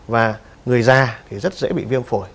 và người già thì rất dễ bị viêm phổi